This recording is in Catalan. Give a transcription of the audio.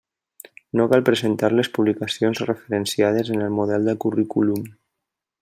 No cal presentar les publicacions referenciades en el model de currículum.